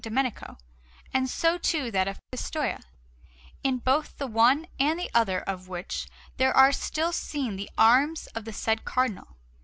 Domenico, and so too that of Pistoia; in both the one and the other of which there are still seen the arms of the said Cardinal.